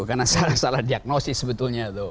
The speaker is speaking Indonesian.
karena salah salah diagnosis sebetulnya itu